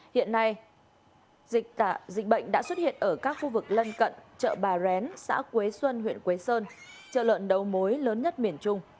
hiện nay dịch bệnh đã xuất hiện ở các khu vực lân cận chợ bà rén xã quế xuân huyện quế sơn chợ lợn đầu mối lớn nhất miền trung